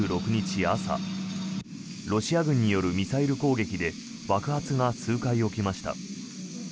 朝ロシア軍によるミサイル攻撃で爆発が数回起きました。